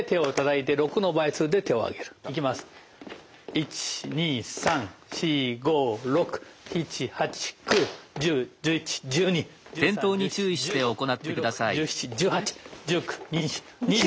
１２３４５６７８９１０１１１２１３１４１５１６１７１８１９２０２１。